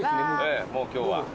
ええもう今日は。